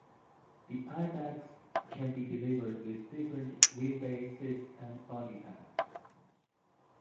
The Ibex can be delivered with different wheel bases and body type.